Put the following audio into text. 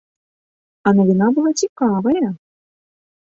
А навіна была цікавая.